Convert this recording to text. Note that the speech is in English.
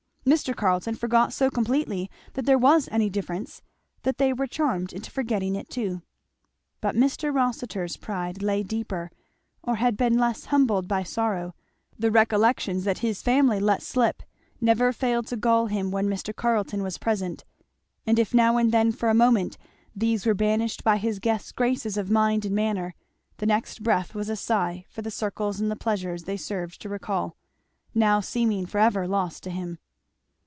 Mr. Carleton forgot so completely that there was any difference that they were charmed into forgetting it too. But Mr. Rossitur's pride lay deeper, or had been less humbled by sorrow; the recollections that his family let slip never failed to gall him when Mr. Carleton was present; and if now and then for a moment these were banished by his guest's graces of mind and manner, the next breath was a sigh for the circles and the pleasures they served to recall, now seeming for ever lost to him.